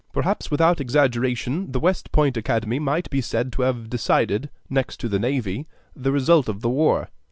Perhaps without exaggeration the West Point Academy might be said to have decided, next to the navy, the result of the war.